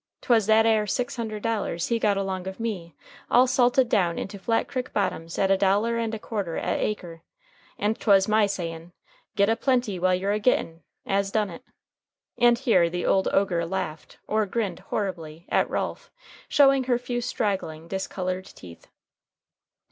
'Twas that air six hundred dollars he got along of me, all salted down into Flat Crick bottoms at a dollar and a quarter a' acre, and 'twas my sayin' 'Git a plenty while you're a gittin'' as done it." And here the old ogre laughed, or grinned horribly, at Ralph, showing her few straggling, discolored teeth.